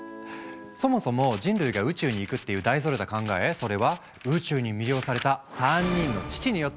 そもそも人類が宇宙に行くっていう大それた考えそれは「宇宙に魅了された３人の父」によって生まれたんです。